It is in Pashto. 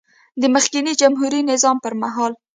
د مخکېني جمهوري نظام پر مهال